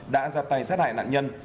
đã giặt tay sát hại nạn nhân